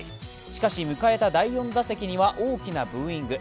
しかし迎えた第４打席には大きなブーイング。